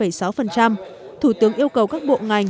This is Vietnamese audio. thủ tướng yêu cầu các bộ ngành